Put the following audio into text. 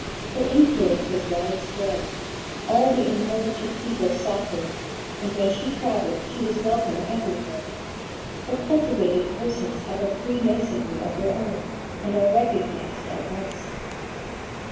Her influence was wide spread; all the intelligent people sought her, and when she travelled she was welcome everywhere, for cultivated persons have a free masonry of their own, and are recognized at once."